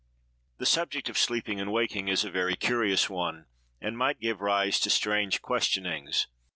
_) This subject of sleeping and waking is a very curious one, and might give rise to strange questionings.